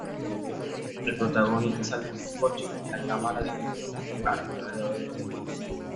El protagonista salta del coche y la cámara describe un arco alrededor del personaje.